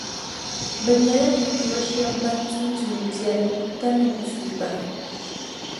Bɛ nyɛla ninvuɣu shεba ban tum tuumbiεri, ka niŋ tuuba.